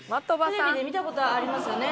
テレビで見た事ありますよね？